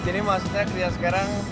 oh jadi maksudnya kerjaan sekarang